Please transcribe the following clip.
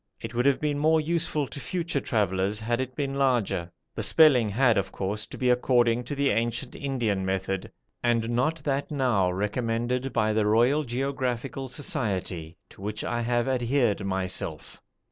It would have been more useful to future travellers had it been larger. The spelling had, of course, to be according to the ancient Indian method, and not that now recommended by the Royal Geographical Society, to which I have adhered myself.